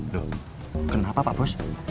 loh kenapa pak bos